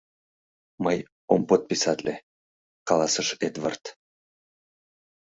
— Мый ом подписатле, — каласыш Эдвард.